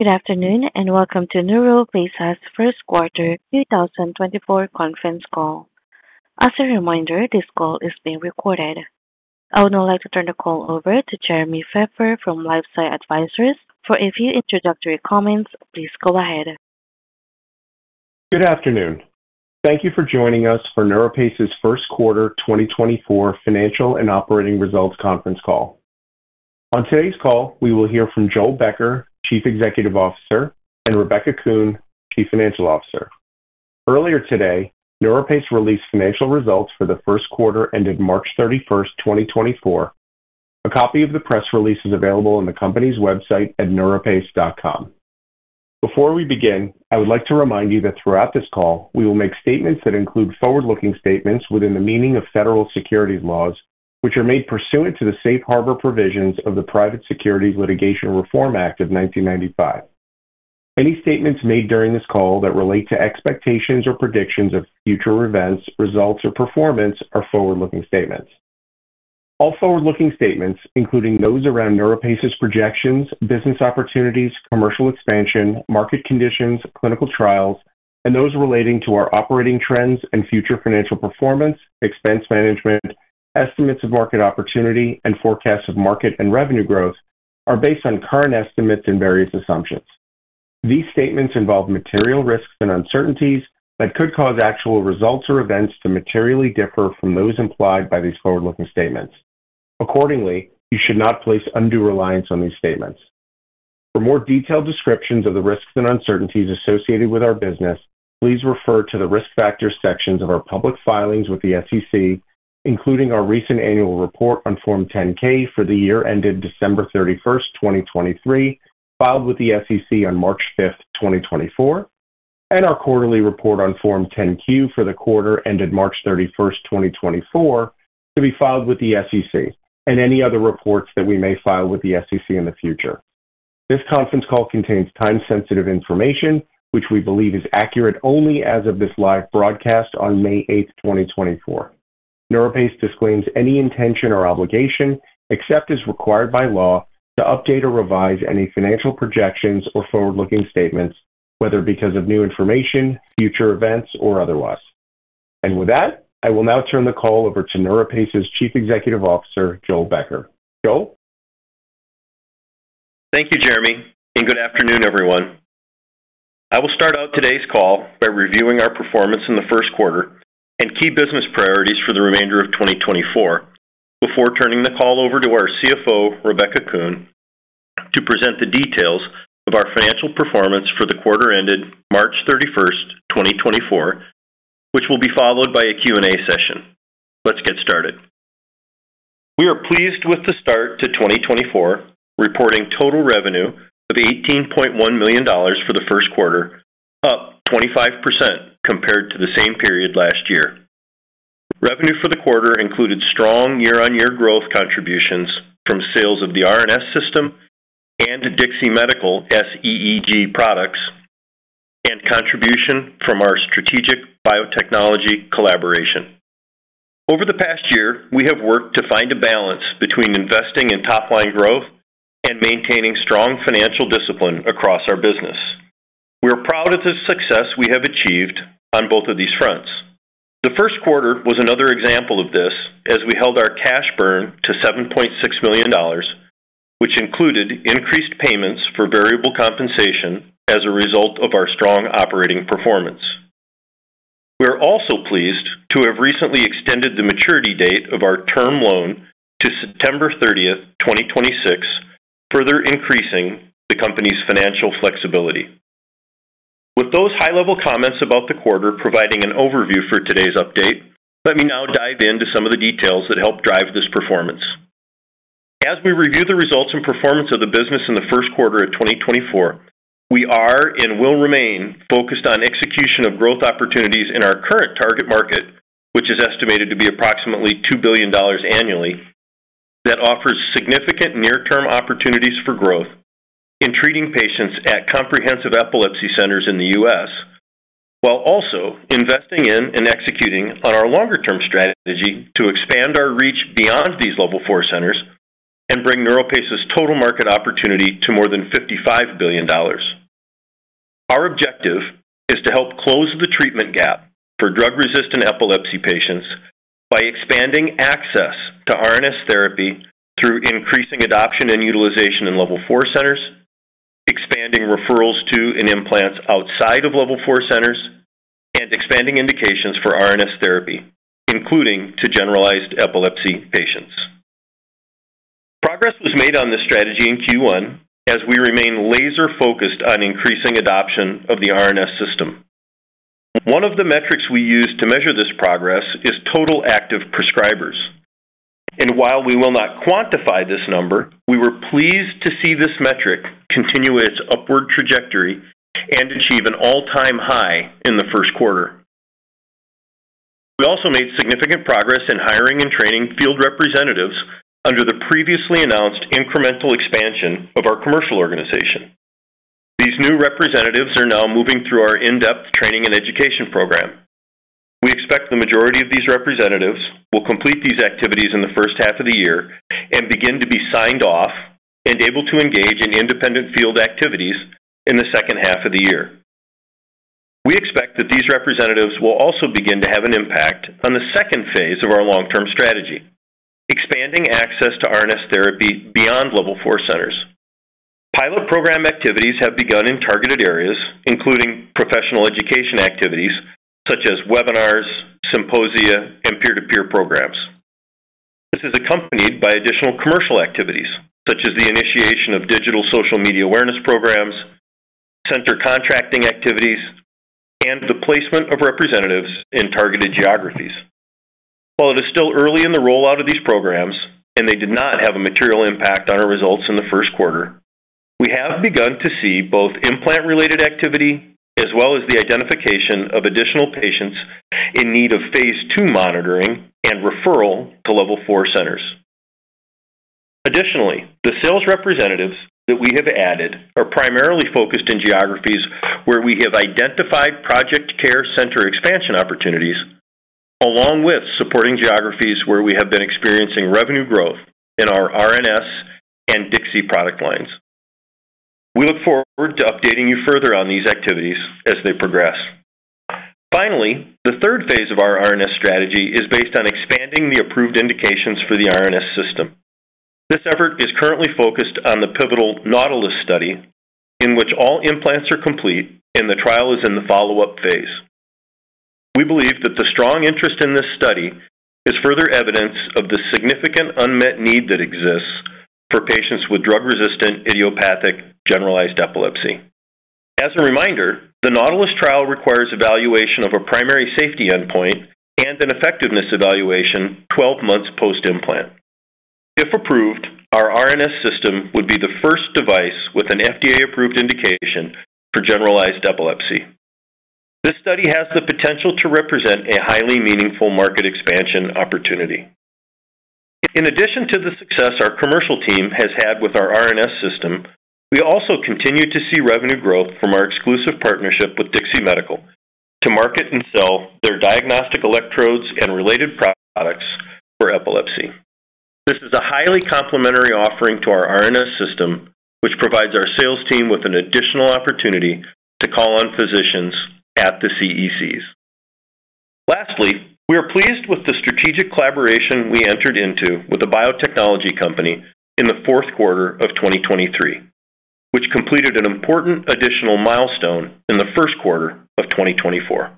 Good afternoon and welcome to NeuroPace's First Quarter 2024 Conference Call. As a reminder, this call is being recorded. I would now like to turn the call over to Jeremy Feffer from LifeSci Advisors. For a few introductory comments, please go ahead. Good afternoon. Thank you for joining us for NeuroPace's First Quarter 2024 Financial and Operating results conference call. On today's call, we will hear from Joel Becker, Chief Executive Officer; and Rebecca Kuhn, Chief Financial Officer. Earlier today, NeuroPace released financial results for the first quarter ended March 31st, 2024. A copy of the press release is available on the company's website at neuropace.com. Before we begin, I would like to remind you that throughout this call we will make statements that include forward-looking statements within the meaning of federal securities laws, which are made pursuant to the Safe Harbor provisions of the Private Securities Litigation Reform Act of 1995. Any statements made during this call that relate to expectations or predictions of future events, results, or performance are forward-looking statements. All forward-looking statements, including those around NeuroPace's projections, business opportunities, commercial expansion, market conditions, clinical trials, and those relating to our operating trends and future financial performance, expense management, estimates of market opportunity, and forecasts of market and revenue growth, are based on current estimates and various assumptions. These statements involve material risks and uncertainties that could cause actual results or events to materially differ from those implied by these forward-looking statements. Accordingly, you should not place undue reliance on these statements. For more detailed descriptions of the risks and uncertainties associated with our business, please refer to the risk factors sections of our public filings with the SEC, including our recent annual report on Form 10-K for the year ended December 31st, 2023, filed with the SEC on March 5th, 2024, and our quarterly report on Form 10-Q for the quarter ended March 31st, 2024, to be filed with the SEC and any other reports that we may file with the SEC in the future. This conference call contains time-sensitive information, which we believe is accurate only as of this live broadcast on May 8th, 2024. NeuroPace disclaims any intention or obligation, except as required by law, to update or revise any financial projections or forward-looking statements, whether because of new information, future events, or otherwise. With that, I will now turn the call over to NeuroPace's Chief Executive Officer, Joel Becker. Joel? Thank you, Jeremy, and good afternoon, everyone. I will start out today's call by reviewing our performance in the first quarter and key business priorities for the remainder of 2024 before turning the call over to our CFO, Rebecca Kuhn, to present the details of our financial performance for the quarter ended March 31st, 2024, which will be followed by a Q&A session. Let's get started. We are pleased with the start to 2024, reporting total revenue of $18.1 million for the first quarter, up 25% compared to the same period last year. Revenue for the quarter included strong year-on-year growth contributions from sales of the RNS System and DIXI Medical SEEG products, and contribution from our strategic biotechnology collaboration. Over the past year, we have worked to find a balance between investing in top-line growth and maintaining strong financial discipline across our business. We are proud of the success we have achieved on both of these fronts. The first quarter was another example of this, as we held our cash burn to $7.6 million, which included increased payments for variable compensation as a result of our strong operating performance. We are also pleased to have recently extended the maturity date of our term loan to September 30th, 2026, further increasing the company's financial flexibility. With those high-level comments about the quarter providing an overview for today's update, let me now dive into some of the details that help drive this performance. As we review the results and performance of the business in the first quarter of 2024, we are and will remain focused on execution of growth opportunities in our current target market, which is estimated to be approximately $2 billion annually, that offers significant near-term opportunities for growth in treating patients at comprehensive epilepsy centers in the U.S., while also investing in and executing on our longer-term strategy to expand our reach beyond these Level 4 centers and bring NeuroPace's total market opportunity to more than $55 billion. Our objective is to help close the treatment gap for drug-resistant epilepsy patients by expanding access to RNS therapy through increasing adoption and utilization in Level 4 centers, expanding referrals to and implants outside of Level 4 centers, and expanding indications for RNS therapy, including to generalized epilepsy patients. Progress was made on this strategy in Q1 as we remain laser-focused on increasing adoption of the RNS System. One of the metrics we use to measure this progress is total active prescribers. And while we will not quantify this number, we were pleased to see this metric continue its upward trajectory and achieve an all-time high in the first quarter. We also made significant progress in hiring and training field representatives under the previously announced incremental expansion of our commercial organization. These new representatives are now moving through our in-depth training and education program. We expect the majority of these representatives will complete these activities in the first half of the year and begin to be signed off and able to engage in independent field activities in the second half of the year. We expect that these representatives will also begin to have an impact on the second phase of our long-term strategy, expanding access to RNS therapy beyond Level 4 centers. Pilot program activities have begun in targeted areas, including professional education activities such as webinars, symposia, and peer-to-peer programs. This is accompanied by additional commercial activities such as the initiation of digital social media awareness programs, center contracting activities, and the placement of representatives in targeted geographies. While it is still early in the rollout of these programs and they did not have a material impact on our results in the first quarter, we have begun to see both implant-related activity as well as the identification of additional patients in need of phase II monitoring and referral to Level 4 centers. Additionally, the sales representatives that we have added are primarily focused in geographies where we have identified Project CARE center expansion opportunities, along with supporting geographies where we have been experiencing revenue growth in our RNS and DIXI product lines. We look forward to updating you further on these activities as they progress. Finally, the third phase of our RNS strategy is based on expanding the approved indications for the RNS System. This effort is currently focused on the pivotal NAUTILUS study, in which all implants are complete and the trial is in the follow-up phase. We believe that the strong interest in this study is further evidence of the significant unmet need that exists for patients with drug-resistant idiopathic generalized epilepsy. As a reminder, the NAUTILUS trial requires evaluation of a primary safety endpoint and an effectiveness evaluation 12 months post-implant. If approved, our RNS System would be the first device with an FDA-approved indication for generalized epilepsy. This study has the potential to represent a highly meaningful market expansion opportunity. In addition to the success our commercial team has had with our RNS System, we also continue to see revenue growth from our exclusive partnership with DIXI Medical to market and sell their diagnostic electrodes and related products for epilepsy. This is a highly complementary offering to our RNS System, which provides our sales team with an additional opportunity to call on physicians at the CECs. Lastly, we are pleased with the strategic collaboration we entered into with a biotechnology company in the fourth quarter of 2023, which completed an important additional milestone in the first quarter of 2024.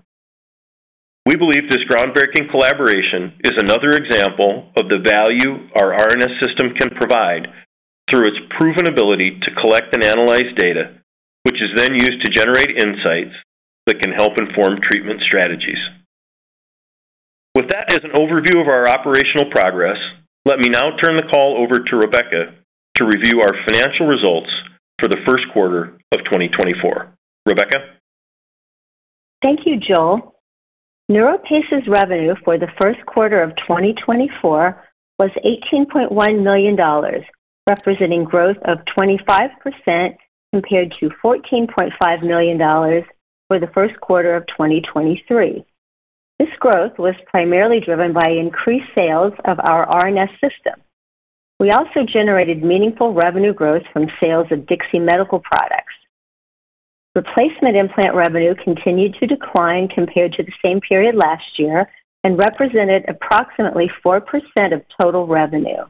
We believe this groundbreaking collaboration is another example of the value our RNS System can provide through its proven ability to collect and analyze data, which is then used to generate insights that can help inform treatment strategies. With that as an overview of our operational progress, let me now turn the call over to Rebecca to review our financial results for the first quarter of 2024. Rebecca? Thank you, Joel. NeuroPace's revenue for the first quarter of 2024 was $18.1 million, representing growth of 25% compared to $14.5 million for the first quarter of 2023. This growth was primarily driven by increased sales of our RNS System. We also generated meaningful revenue growth from sales of DIXI Medical products. Replacement implant revenue continued to decline compared to the same period last year and represented approximately 4% of total revenue.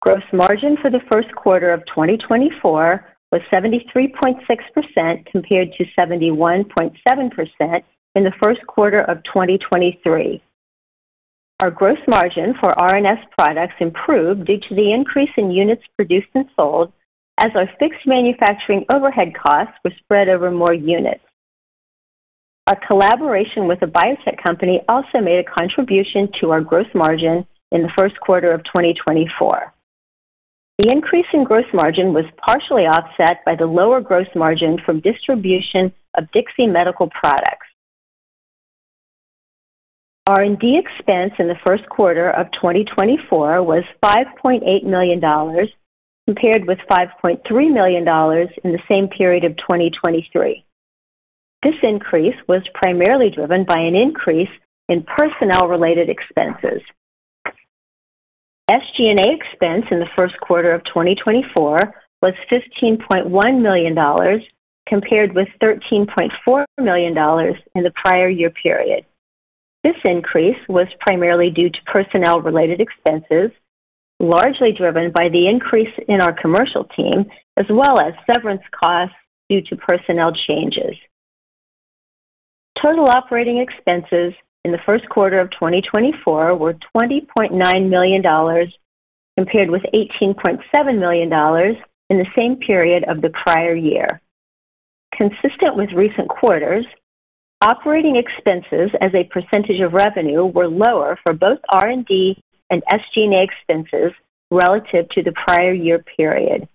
Gross margin for the first quarter of 2024 was 73.6% compared to 71.7% in the first quarter of 2023. Our gross margin for RNS products improved due to the increase in units produced and sold as our fixed manufacturing overhead costs were spread over more units. Our collaboration with a biotech company also made a contribution to our gross margin in the first quarter of 2024. The increase in gross margin was partially offset by the lower gross margin from distribution of DIXI Medical products. R&D expense in the first quarter of 2024 was $5.8 million compared with $5.3 million in the same period of 2023. This increase was primarily driven by an increase in personnel-related expenses. SG&A expense in the first quarter of 2024 was $15.1 million compared with $13.4 million in the prior year period. This increase was primarily due to personnel-related expenses, largely driven by the increase in our commercial team as well as severance costs due to personnel changes. Total operating expenses in the first quarter of 2024 were $20.9 million compared with $18.7 million in the same period of the prior year. Consistent with recent quarters, operating expenses as a percentage of revenue were lower for both R&D and SG&A expenses relative to the prior year period.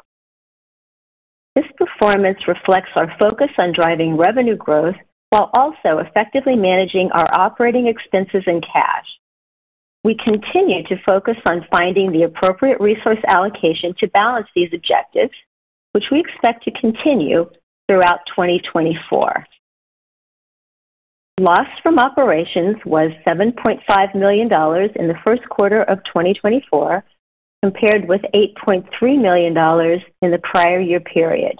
This performance reflects our focus on driving revenue growth while also effectively managing our operating expenses and cash. We continue to focus on finding the appropriate resource allocation to balance these objectives, which we expect to continue throughout 2024. Loss from operations was $7.5 million in the first quarter of 2024 compared with $8.3 million in the prior year period.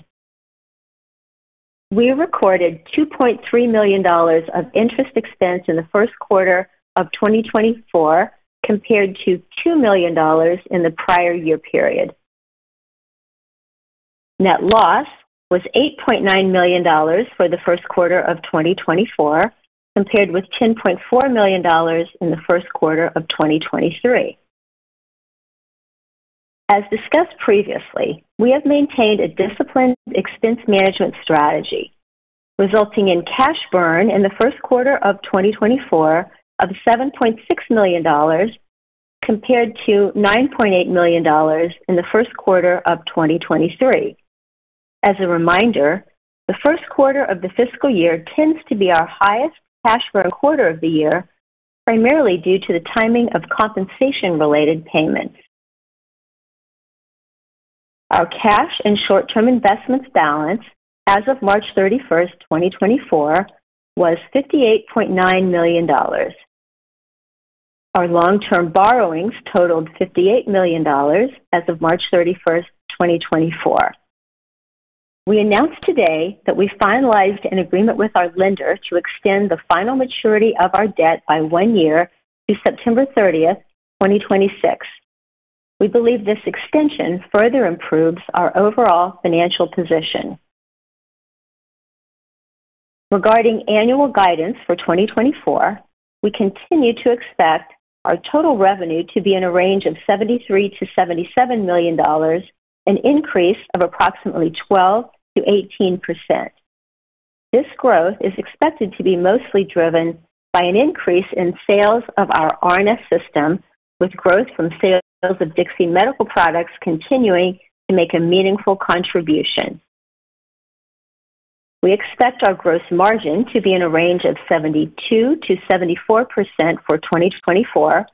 We recorded $2.3 million of interest expense in the first quarter of 2024 compared to $2 million in the prior year period. Net loss was $8.9 million for the first quarter of 2024 compared with $10.4 million in the first quarter of 2023. As discussed previously, we have maintained a disciplined expense management strategy, resulting in cash burn in the first quarter of 2024 of $7.6 million compared to $9.8 million in the first quarter of 2023. As a reminder, the first quarter of the fiscal year tends to be our highest cash-burn quarter of the year, primarily due to the timing of compensation-related payments. Our cash and short-term investments balance as of March 31st, 2024, was $58.9 million. Our long-term borrowings totaled $58 million as of March 31st, 2024. We announced today that we finalized an agreement with our lender to extend the final maturity of our debt by one year to September 30th, 2026. We believe this extension further improves our overall financial position. Regarding annual guidance for 2024, we continue to expect our total revenue to be in a range of $73 million-$77 million, an increase of approximately 12%-18%. This growth is expected to be mostly driven by an increase in sales of our RNS System, with growth from sales of DIXI Medical products continuing to make a meaningful contribution. We expect our gross margin to be in a range of 72%-74% for 2024,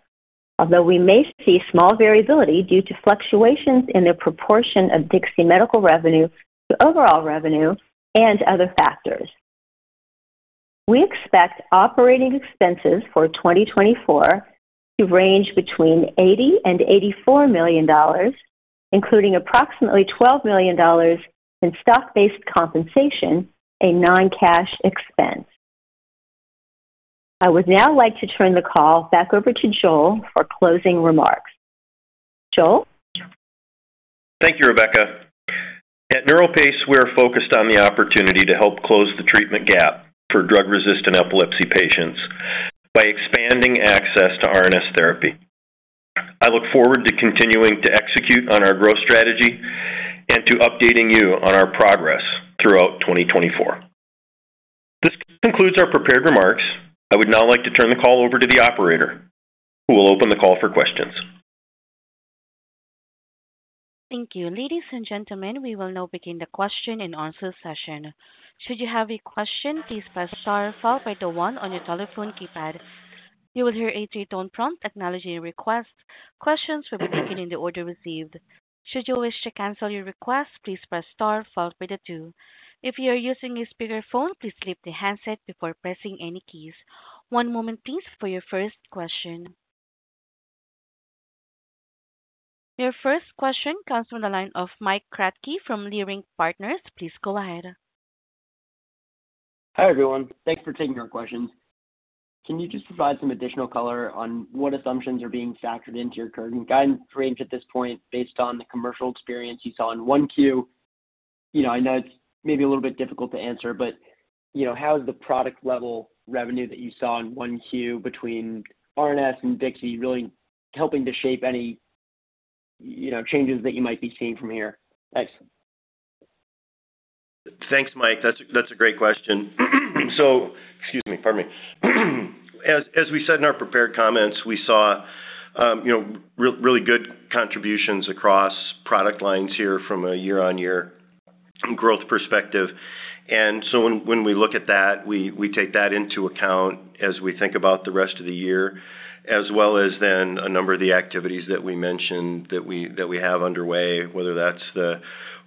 although we may see small variability due to fluctuations in the proportion of DIXI Medical revenue to overall revenue and other factors. We expect operating expenses for 2024 to range between $80 million and $84 million, including approximately $12 million in stock-based compensation, a non-cash expense. I would now like to turn the call back over to Joel for closing remarks. Joel? Thank you, Rebecca. At NeuroPace, we are focused on the opportunity to help close the treatment gap for drug-resistant epilepsy patients by expanding access to RNS therapy. I look forward to continuing to execute on our growth strategy and to updating you on our progress throughout 2024. This concludes our prepared remarks. I would now like to turn the call over to the operator, who will open the call for questions. Thank you. Ladies and gentlemen, we will now begin the question and answer session. Should you have a question, please press star followed by the one on your telephone keypad. You will hear a three-tone prompt acknowledging your request. Questions will be taken in the order received. Should you wish to cancel your request, please press star followed by the two. If you are using a speakerphone, please leave the handset before pressing any keys. One moment, please, for your first question. Your first question comes from the line of Mike Kratky from Leerink Partners. Please go ahead. Hi everyone. Thanks for taking your questions. Can you just provide some additional color on what assumptions are being factored into your current guidance range at this point based on the commercial experience you saw in 1Q? I know it's maybe a little bit difficult to answer, but how is the product-level revenue that you saw in 1Q between RNS and DIXI really helping to shape any changes that you might be seeing from here? Thanks. Thanks, Mike. That's a great question. So excuse me, pardon me. As we said in our prepared comments, we saw really good contributions across product lines here from a year-on-year growth perspective. And so when we look at that, we take that into account as we think about the rest of the year, as well as then a number of the activities that we mentioned that we have underway, whether that's the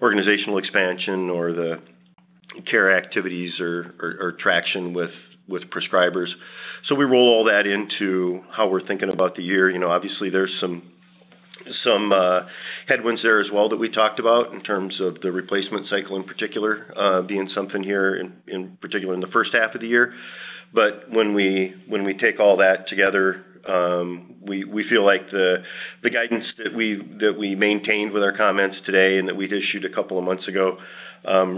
organizational expansion or the care activities or traction with prescribers. So we roll all that into how we're thinking about the year. Obviously, there's some headwinds there as well that we talked about in terms of the replacement cycle in particular being something here, in particular in the first half of the year. But when we take all that together, we feel like the guidance that we maintained with our comments today and that we'd issued a couple of months ago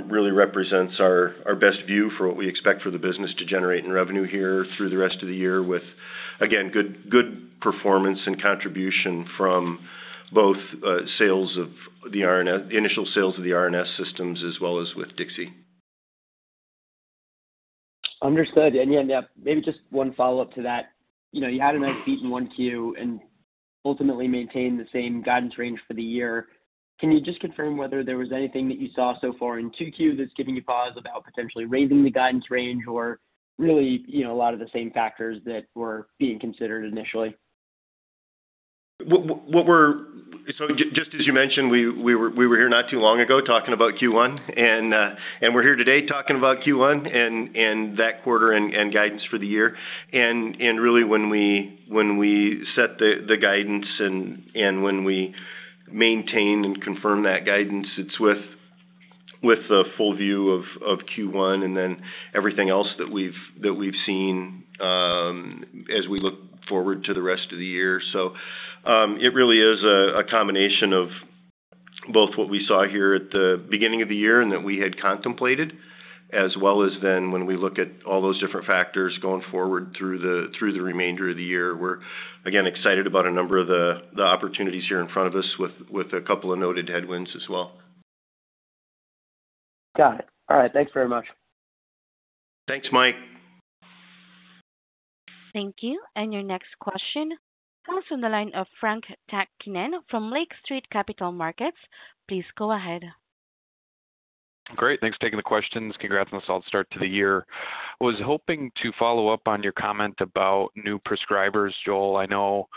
really represents our best view for what we expect for the business to generate in revenue here through the rest of the year, with, again, good performance and contribution from both initial sales of the RNS systems as well as with DIXI. Understood. And yeah, maybe just one follow-up to that. You had a nice beat in 1Q and ultimately maintained the same guidance range for the year. Can you just confirm whether there was anything that you saw so far in 2Q that's giving you pause about potentially raising the guidance range or really a lot of the same factors that were being considered initially? So just as you mentioned, we were here not too long ago talking about Q1, and we're here today talking about Q1 and that quarter and guidance for the year. And really, when we set the guidance and when we maintain and confirm that guidance, it's with the full view of Q1 and then everything else that we've seen as we look forward to the rest of the year. So it really is a combination of both what we saw here at the beginning of the year and that we had contemplated, as well as then when we look at all those different factors going forward through the remainder of the year. We're, again, excited about a number of the opportunities here in front of us with a couple of noted headwinds as well. Got it. All right. Thanks very much. Thanks, Mike. Thank you. And your next question comes from the line of Frank Takkinen from Lake Street Capital Markets. Please go ahead. Great. Thanks for taking the questions. Congrats on a solid start to the year. I was hoping to follow up on your comment about new prescribers, Joel. I know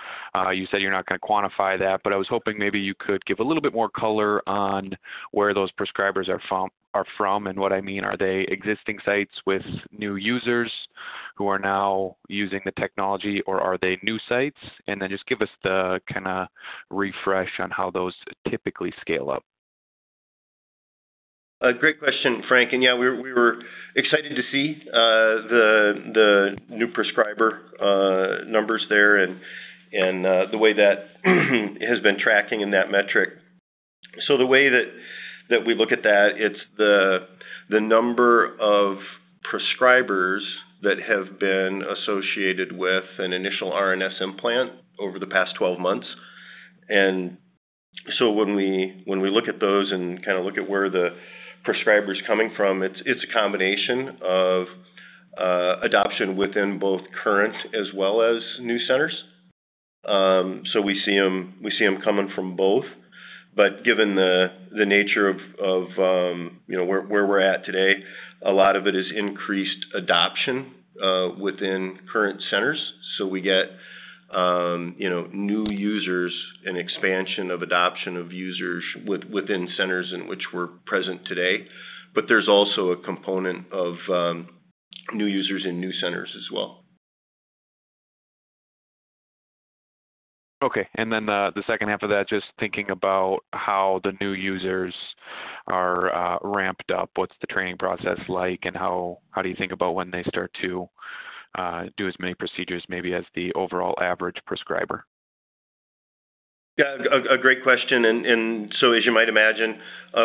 you said you're not going to quantify that, but I was hoping maybe you could give a little bit more color on where those prescribers are from and what I mean. Are they existing sites with new users who are now using the technology, or are they new sites? And then just give us the kind of refresh on how those typically scale up. Great question, Frank. Yeah, we were excited to see the new prescriber numbers there and the way that it has been tracking in that metric. The way that we look at that, it's the number of prescribers that have been associated with an initial RNS implant over the past 12 months. When we look at those and kind of look at where the prescriber's coming from, it's a combination of adoption within both current as well as new centers. We see them coming from both. But given the nature of where we're at today, a lot of it is increased adoption within current centers. We get new users and expansion of adoption of users within centers in which we're present today. But there's also a component of new users in new centers as well. Okay. And then the second half of that, just thinking about how the new users are ramped up, what's the training process like, and how do you think about when they start to do as many procedures maybe as the overall average prescriber? Yeah, a great question. And so, as you might imagine,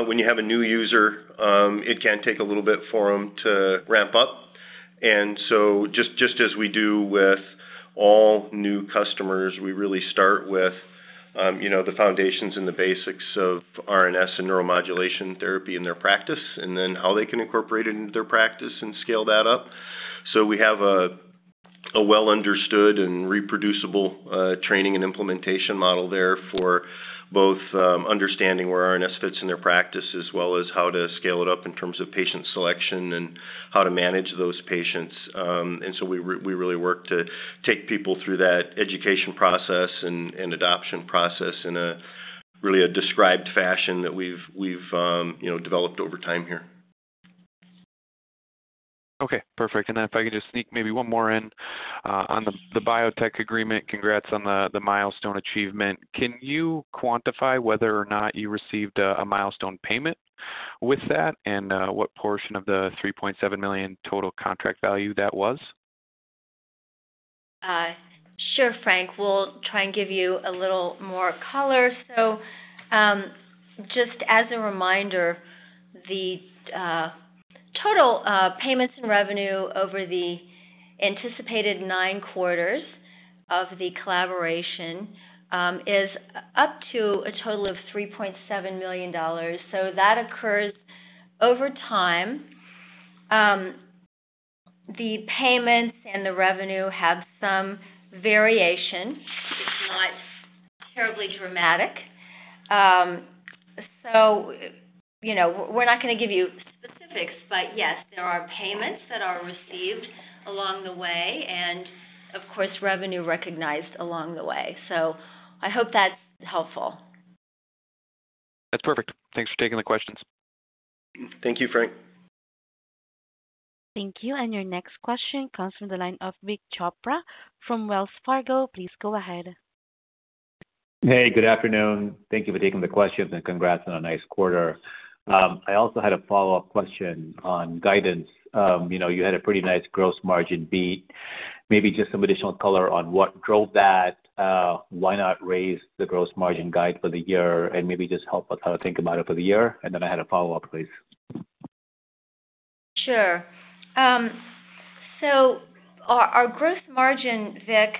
when you have a new user, it can take a little bit for them to ramp up. And so just as we do with all new customers, we really start with the foundations and the basics of RNS and neuromodulation therapy in their practice and then how they can incorporate it into their practice and scale that up. So we have a well-understood and reproducible training and implementation model there for both understanding where RNS fits in their practice as well as how to scale it up in terms of patient selection and how to manage those patients. And so we really work to take people through that education process and adoption process in really a described fashion that we've developed over time here. Okay. Perfect. And if I can just sneak maybe one more in. On the biotech agreement, congrats on the milestone achievement. Can you quantify whether or not you received a milestone payment with that and what portion of the $3.7 million total contract value that was? Sure, Frank. We'll try and give you a little more color. So just as a reminder, the total payments and revenue over the anticipated nine quarters of the collaboration is up to a total of $3.7 million. So that occurs over time. The payments and the revenue have some variation. It's not terribly dramatic. So we're not going to give you specifics, but yes, there are payments that are received along the way and, of course, revenue recognized along the way. So I hope that's helpful. That's perfect. Thanks for taking the questions. Thank you, Frank. Thank you. Your next question comes from the line of Vik Chopra from Wells Fargo. Please go ahead. Hey, good afternoon. Thank you for taking the questions and congrats on a nice quarter. I also had a follow-up question on guidance. You had a pretty nice gross margin beat. Maybe just some additional color on what drove that. Why not raise the gross margin guide for the year and maybe just help us how to think about it for the year? And then I had a follow-up, please. Sure. So our gross margin, Vik,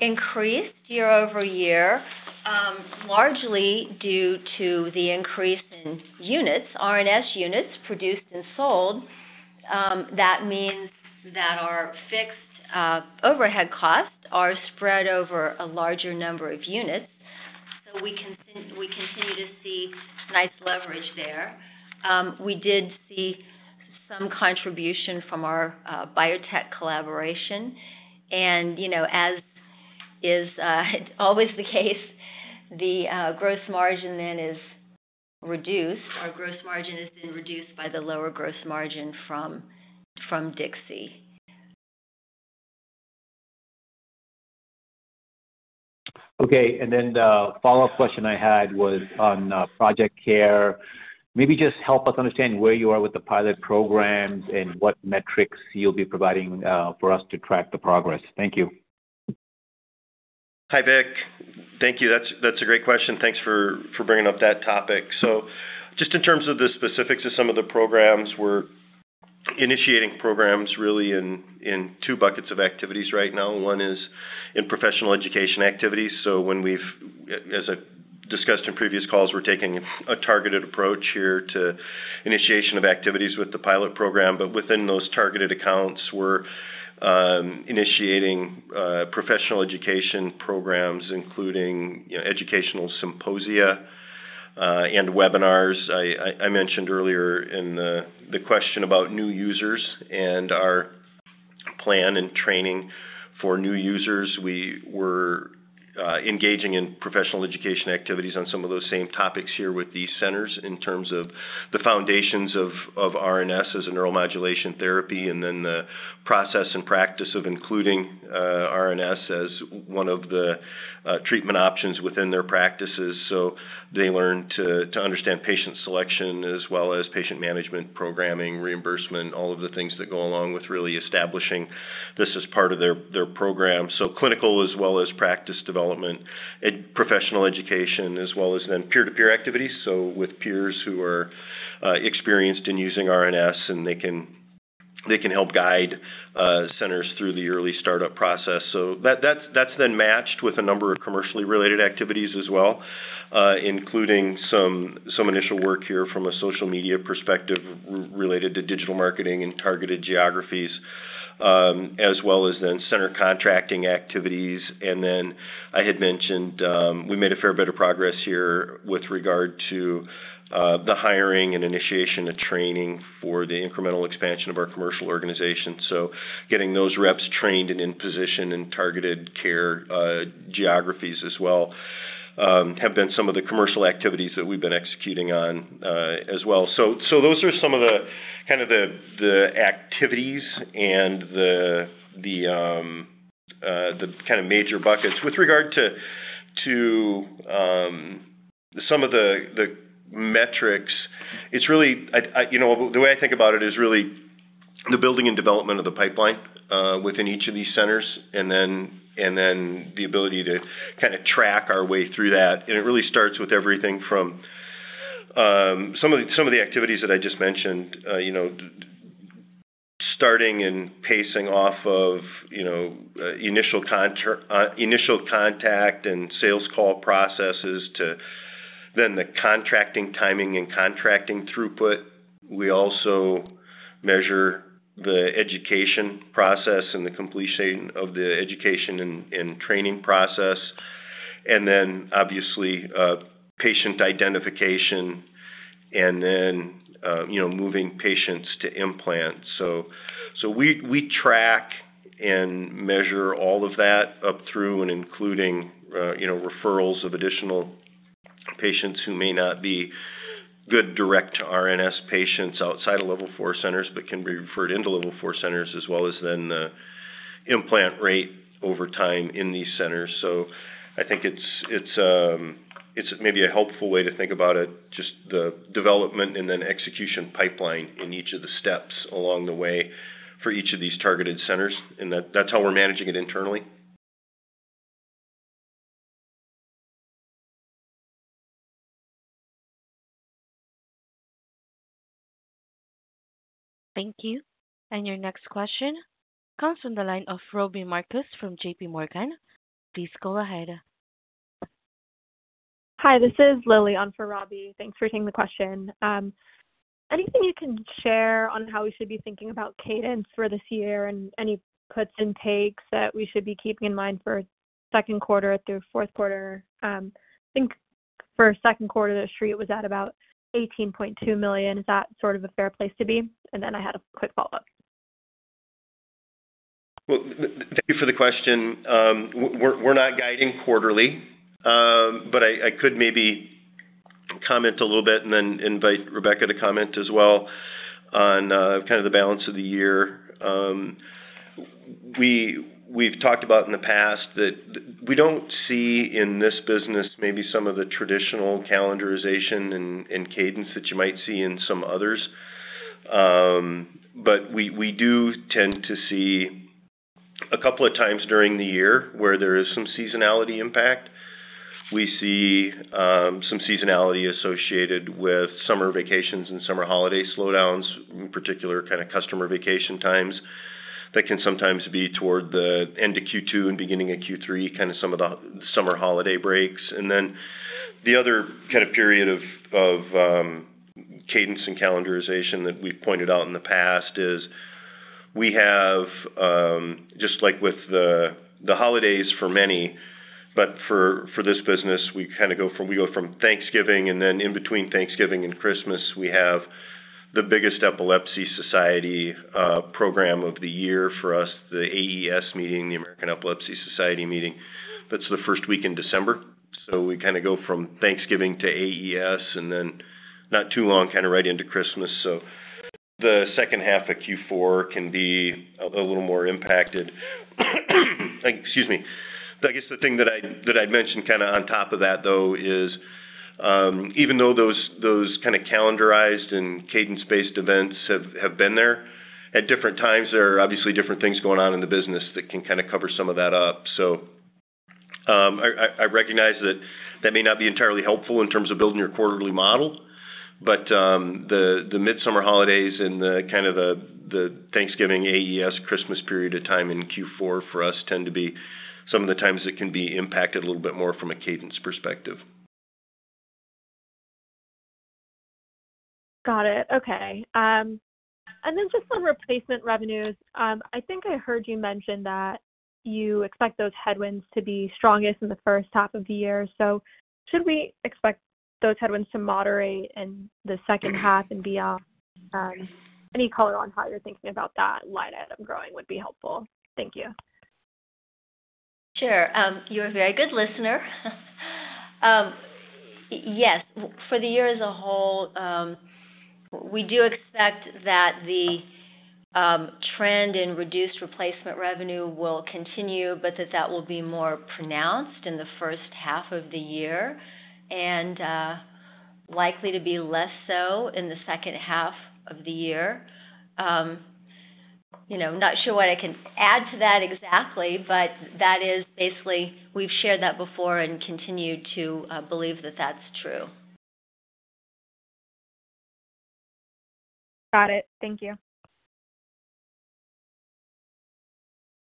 increased year-over-year largely due to the increase in units, RNS units, produced and sold. That means that our fixed overhead costs are spread over a larger number of units. So we continue to see nice leverage there. We did see some contribution from our biotech collaboration. As is always the case, the gross margin then is reduced. Our gross margin is then reduced by the lower gross margin from DIXI. Okay. And then the follow-up question I had was on Project CARE. Maybe just help us understand where you are with the pilot programs and what metrics you'll be providing for us to track the progress. Thank you. Hi, Vik. Thank you. That's a great question. Thanks for bringing up that topic. So just in terms of the specifics of some of the programs, we're initiating programs really in two buckets of activities right now. One is in professional education activities. So as I've discussed in previous calls, we're taking a targeted approach here to initiation of activities with the pilot program. But within those targeted accounts, we're initiating professional education programs, including educational symposia and webinars. I mentioned earlier in the question about new users and our plan and training for new users, we were engaging in professional education activities on some of those same topics here with these centers in terms of the foundations of RNS as a neuromodulation therapy and then the process and practice of including RNS as one of the treatment options within their practices. So they learn to understand patient selection as well as patient management, programming, reimbursement, all of the things that go along with really establishing this as part of their program. So clinical as well as practice development, professional education as well as then peer-to-peer activities. So with peers who are experienced in using RNS, and they can help guide centers through the early startup process. So that's then matched with a number of commercially related activities as well, including some initial work here from a social media perspective related to digital marketing and targeted geographies, as well as then center contracting activities. And then I had mentioned we made a fair bit of progress here with regard to the hiring and initiation of training for the incremental expansion of our commercial organization. So getting those reps trained and in position in targeted care geographies as well have been some of the commercial activities that we've been executing on as well. So those are some of the kind of the activities and the kind of major buckets. With regard to some of the metrics, the way I think about it is really the building and development of the pipeline within each of these centers and then the ability to kind of track our way through that. And it really starts with everything from some of the activities that I just mentioned, starting and pacing off of initial contact and sales call processes to then the contracting timing and contracting throughput. We also measure the education process and the completion of the education and training process. And then, obviously, patient identification and then moving patients to implants. So we track and measure all of that up through and including referrals of additional patients who may not be good direct to RNS patients outside of Level 4 centers but can be referred into Level 4 centers as well as then the implant rate over time in these centers. So I think it's maybe a helpful way to think about it, just the development and then execution pipeline in each of the steps along the way for each of these targeted centers. And that's how we're managing it internally. Thank you. And your next question comes from the line of Robbie Marcus from JPMorgan. Please go ahead. Hi, this is Lillian on for Robbie. Thanks for taking the question. Anything you can share on how we should be thinking about cadence for this year and any puts and takes that we should be keeping in mind for second quarter through fourth quarter? I think for second quarter, the street was at about $18.2 million. Is that sort of a fair place to be? And then I had a quick follow-up. Well, thank you for the question. We're not guiding quarterly, but I could maybe comment a little bit and then invite Rebecca to comment as well on kind of the balance of the year. We've talked about in the past that we don't see in this business maybe some of the traditional calendarization and cadence that you might see in some others. But we do tend to see a couple of times during the year where there is some seasonality impact. We see some seasonality associated with summer vacations and summer holiday slowdowns, in particular, kind of customer vacation times that can sometimes be toward the end of Q2 and beginning of Q3, kind of some of the summer holiday breaks. Then the other kind of period of cadence and calendarization that we've pointed out in the past is we have, just like with the holidays for many, but for this business, we kind of go from Thanksgiving, and then in between Thanksgiving and Christmas, we have the biggest epilepsy society program of the year for us, the AES meeting, the American Epilepsy Society meeting. That's the first week in December. So we kind of go from Thanksgiving to AES and then not too long, kind of right into Christmas. So the second half of Q4 can be a little more impacted. Excuse me. I guess the thing that I'd mentioned kind of on top of that, though, is even though those kind of calendarized and cadence-based events have been there, at different times, there are obviously different things going on in the business that can kind of cover some of that up. So I recognize that that may not be entirely helpful in terms of building your quarterly model. But the midsummer holidays and kind of the Thanksgiving, AES, Christmas period of time in Q4 for us tend to be some of the times that can be impacted a little bit more from a cadence perspective. Got it. Okay. And then just on replacement revenues, I think I heard you mention that you expect those headwinds to be strongest in the first half of the year. So should we expect those headwinds to moderate in the second half and beyond? Any color on how you're thinking about that line item growing would be helpful. Thank you. Sure. You're a very good listener. Yes, for the year as a whole, we do expect that the trend in reduced replacement revenue will continue, but that that will be more pronounced in the first half of the year and likely to be less so in the second half of the year. Not sure what I can add to that exactly, but that is basically we've shared that before and continue to believe that that's true. Got it. Thank you.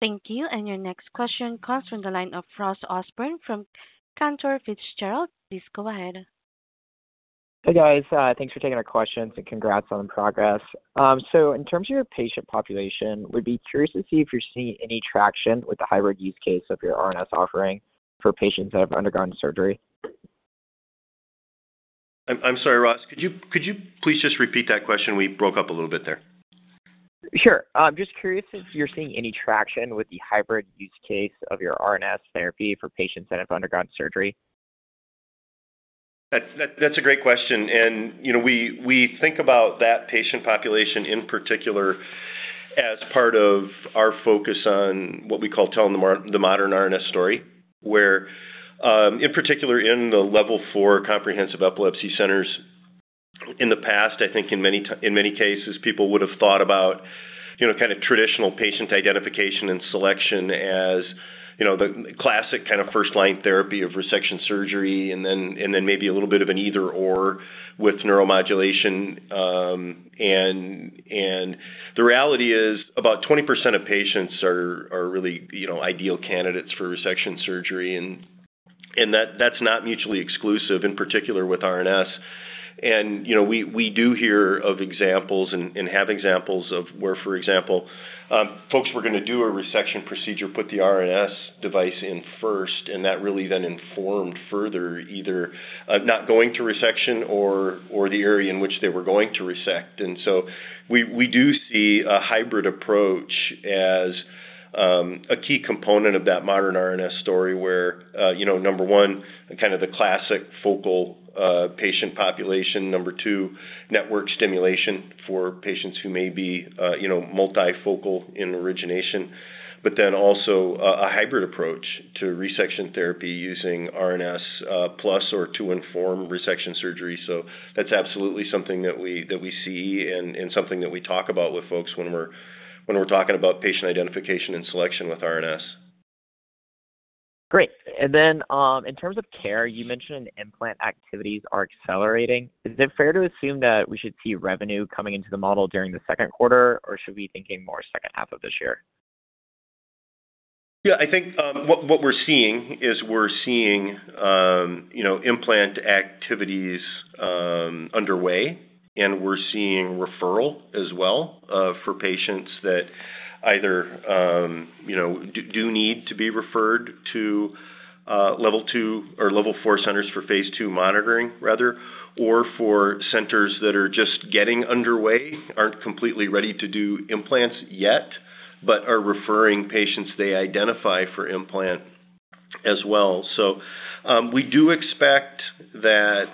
Thank you. And your next question comes from the line of Ross Osborn from Cantor Fitzgerald. Please go ahead. Hey, guys. Thanks for taking our questions and congrats on the progress. In terms of your patient population, we'd be curious to see if you're seeing any traction with the hybrid use case of your RNS offering for patients that have undergone surgery. I'm sorry, Ross. Could you please just repeat that question? We broke up a little bit there. Sure. I'm just curious if you're seeing any traction with the hybrid use case of your RNS therapy for patients that have undergone surgery? That's a great question. We think about that patient population in particular as part of our focus on what we call telling the modern RNS story, where in particular, in the Level 4 Comprehensive Epilepsy Centers in the past, I think in many cases, people would have thought about kind of traditional patient identification and selection as the classic kind of first-line therapy of resection surgery and then maybe a little bit of an either/or with neuromodulation. The reality is about 20% of patients are really ideal candidates for resection surgery. That's not mutually exclusive, in particular with RNS. We do hear of examples and have examples of where, for example, folks were going to do a resection procedure, put the RNS device in first, and that really then informed further either not going to resection or the area in which they were going to resect. And so we do see a hybrid approach as a key component of that modern RNS story where, number one, kind of the classic focal patient population. Number two, network stimulation for patients who may be multifocal in origination. But then also a hybrid approach to resection therapy using RNS plus or to inform resection surgery. So that's absolutely something that we see and something that we talk about with folks when we're talking about patient identification and selection with RNS. Great. Then in terms of care, you mentioned implant activities are accelerating. Is it fair to assume that we should see revenue coming into the model during the second quarter, or should we be thinking more second half of this year? Yeah. I think what we're seeing is we're seeing implant activities underway, and we're seeing referrals as well for patients that either do need to be referred to Level 2 or Level 4 centers for phase II monitoring, rather, or for centers that are just getting underway, aren't completely ready to do implants yet, but are referring patients they identify for implant as well. So we do expect that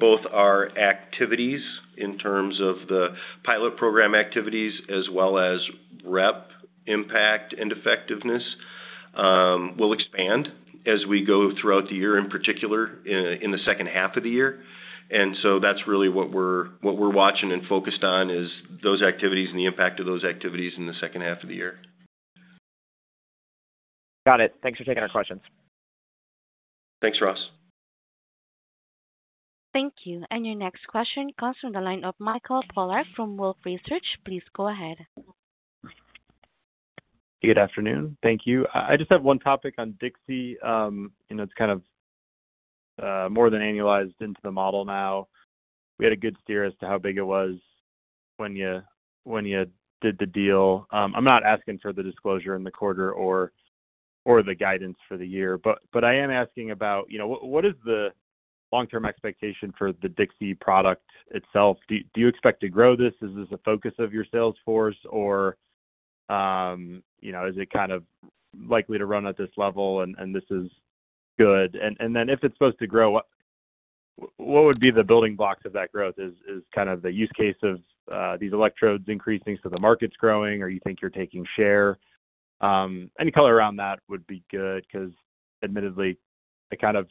both our activities in terms of the pilot program activities as well as rep impact and effectiveness will expand as we go throughout the year, in particular, in the second half of the year. So that's really what we're watching and focused on is those activities and the impact of those activities in the second half of the year. Got it. Thanks for taking our questions. Thanks, Ross. Thank you. And your next question comes from the line of Mike Polark from Wolfe Research. Please go ahead. Good afternoon. Thank you. I just have one topic on DIXI. It's kind of more than annualized into the model now. We had a good steer as to how big it was when you did the deal. I'm not asking for the disclosure in the quarter or the guidance for the year, but I am asking about what is the long-term expectation for the DIXI product itself? Do you expect to grow this? Is this a focus of your sales force, or is it kind of likely to run at this level and this is good? And then if it's supposed to grow, what would be the building blocks of that growth? Is kind of the use case of these electrodes increasing so the market's growing, or you think you're taking share? Any color around that would be good because, admittedly, I kind of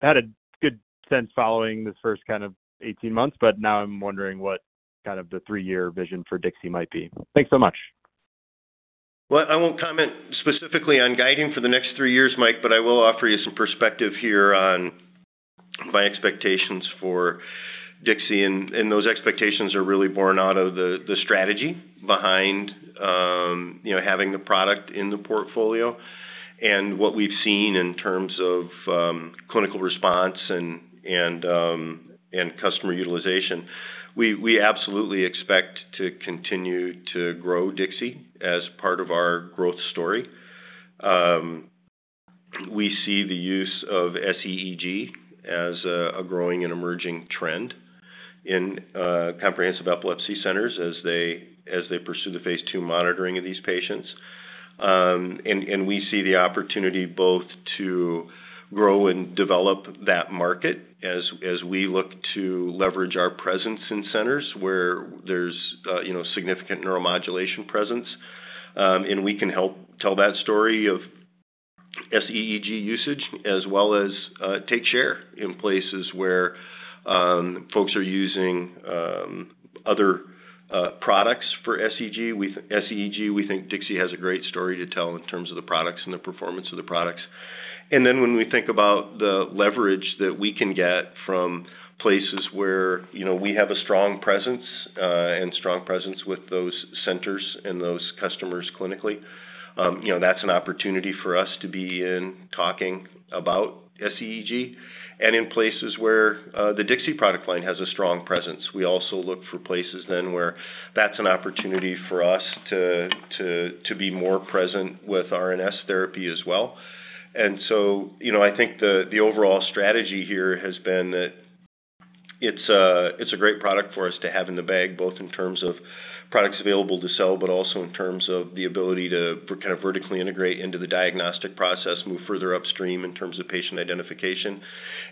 had a good sense following this first kind of 18 months, but now I'm wondering what kind of the three-year vision for DIXI might be. Thanks so much. Well, I won't comment specifically on guiding for the next three years, Mike, but I will offer you some perspective here on my expectations for DIXI. Those expectations are really born out of the strategy behind having the product in the portfolio and what we've seen in terms of clinical response and customer utilization. We absolutely expect to continue to grow DIXI as part of our growth story. We see the use of SEEG as a growing and emerging trend in comprehensive epilepsy centers as they pursue the phase II monitoring of these patients. We see the opportunity both to grow and develop that market as we look to leverage our presence in centers where there's significant neuromodulation presence. We can help tell that story of SEEG usage as well as take share in places where folks are using other products for SEEG. With SEEG, we think Dixie has a great story to tell in terms of the products and the performance of the products. And then when we think about the leverage that we can get from places where we have a strong presence and strong presence with those centers and those customers clinically, that's an opportunity for us to be in talking about SEEG. And in places where the Dixie product line has a strong presence, we also look for places then where that's an opportunity for us to be more present with RNS therapy as well. And so I think the overall strategy here has been that it's a great product for us to have in the bag, both in terms of products available to sell, but also in terms of the ability to kind of vertically integrate into the diagnostic process, move further upstream in terms of patient identification,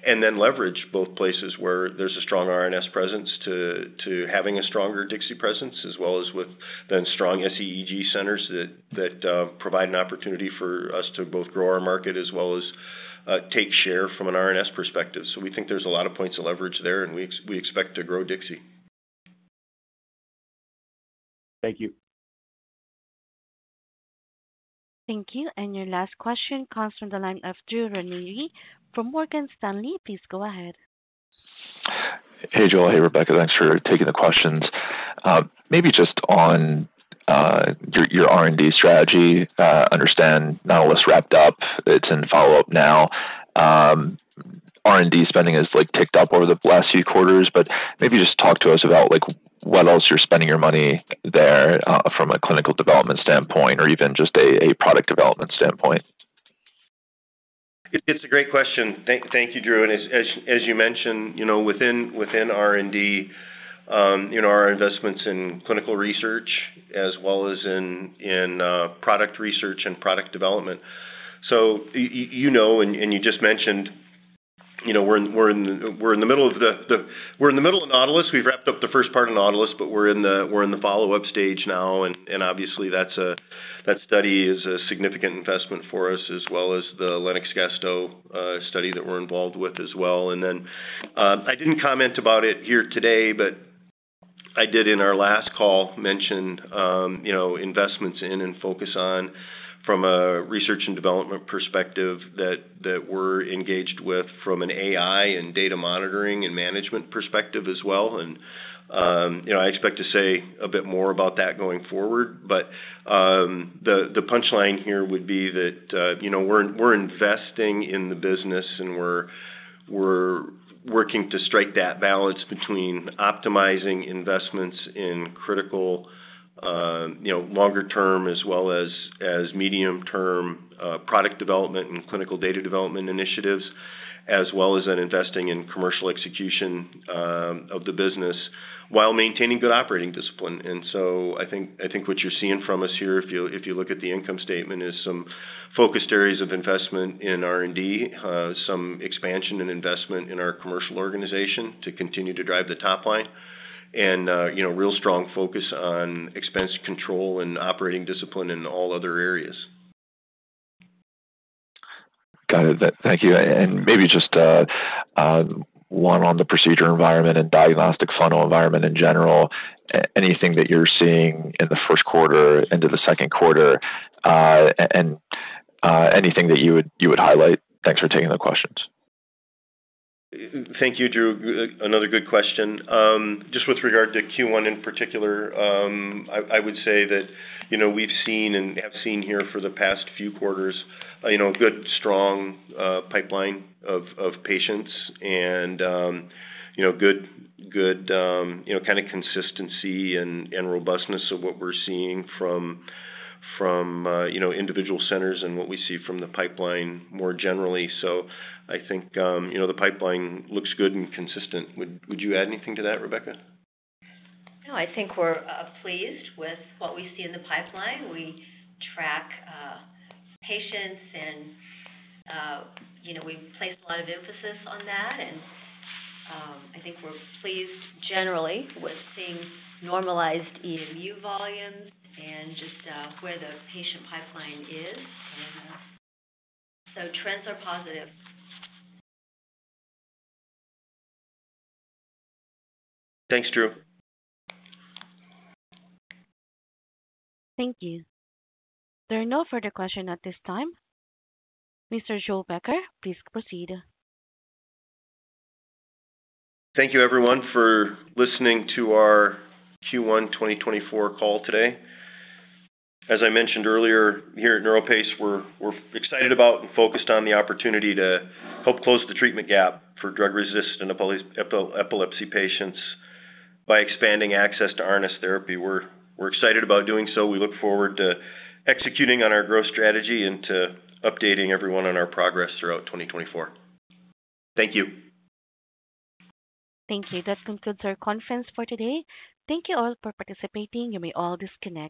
and then leverage both places where there's a strong RNS presence to having a stronger DIXI presence as well as with then strong SEEG centers that provide an opportunity for us to both grow our market as well as take share from an RNS perspective. So we think there's a lot of points to leverage there, and we expect to grow DIXI. Thank you. Thank you. And your last question comes from the line of Drew Ranieri from Morgan Stanley. Please go ahead. Hey, Joel. Hey, Rebecca. Thanks for taking the questions. Maybe just on your R&D strategy, understand not only is it wrapped up, it's in follow-up now. R&D spending has ticked up over the last few quarters, but maybe just talk to us about what else you're spending your money there from a clinical development standpoint or even just a product development standpoint. It's a great question. Thank you, Drew. And as you mentioned, within R&D, our investments in clinical research as well as in product research and product development. So you know and you just mentioned, we're in the middle of NAUTILUS. We've wrapped up the first part of NAUTILUS, but we're in the follow-up stage now. And obviously, that study is a significant investment for us as well as the Lennox-Gastaut study that we're involved with as well. And then I didn't comment about it here today, but I did in our last call mention investments in and focus on from a research and development perspective that we're engaged with from an AI and data monitoring and management perspective as well. And I expect to say a bit more about that going forward. But the punchline here would be that we're investing in the business, and we're working to strike that balance between optimizing investments in critical longer-term as well as medium-term product development and clinical data development initiatives, as well as then investing in commercial execution of the business while maintaining good operating discipline. And so I think what you're seeing from us here, if you look at the income statement, is some focused areas of investment in R&D, some expansion and investment in our commercial organization to continue to drive the top line, and real strong focus on expense control and operating discipline in all other areas. Got it. Thank you. And maybe just one on the procedure environment and diagnostic funnel environment in general, anything that you're seeing in the first quarter into the second quarter, and anything that you would highlight. Thanks for taking the questions. Thank you, Drew. Another good question. Just with regard to Q1 in particular, I would say that we've seen and have seen here for the past few quarters a good, strong pipeline of patients and good kind of consistency and robustness of what we're seeing from individual centers and what we see from the pipeline more generally. So I think the pipeline looks good and consistent. Would you add anything to that, Rebecca? No, I think we're pleased with what we see in the pipeline. We track patients, and we place a lot of emphasis on that. And I think we're pleased generally with seeing normalized EMU volumes and just where the patient pipeline is. So trends are positive. Thanks, Drew. Thank you. There are no further questions at this time. Mr. Joel Becker, please proceed. Thank you, everyone, for listening to our Q1 2024 call today. As I mentioned earlier here at NeuroPace, we're excited about and focused on the opportunity to help close the treatment gap for drug-resistant epilepsy patients by expanding access to RNS therapy. We're excited about doing so. We look forward to executing on our growth strategy and to updating everyone on our progress throughout 2024. Thank you. Thank you. That concludes our conference for today. Thank you all for participating. You may all disconnect.